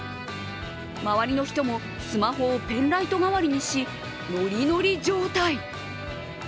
周りの人も、スマホをペンライト代わりにし、ノリノリ状態。